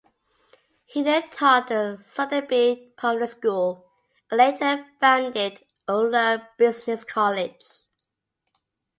He then taught in Suddaby Public School and later founded the Euler Business College.